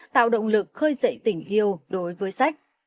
tạo động lực khơi dậy tình yêu đối với sách